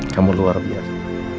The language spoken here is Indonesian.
kamu luar biasa